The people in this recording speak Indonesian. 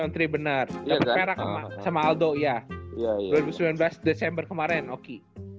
oh tri on tiga bener dapet perak sama aldo ya dua ribu sembilan belas desember kemarin oki